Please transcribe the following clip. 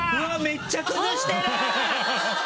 めっちゃ書いてる。